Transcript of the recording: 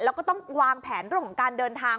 แล้วก็ต้องวางแผนร่วมการเดินทาง